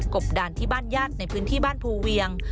บด่านที่บ้านญาติในพื้นที่บ้านภูเวียง